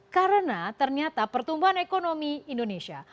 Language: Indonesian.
karena ternyata pertumbuhan ekonomi indonesia